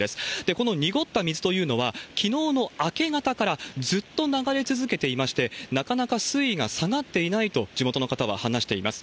この濁った水というのは、きのうの明け方からずっと流れ続けていまして、なかなか水位が下がっていないと、地元の方は話しています。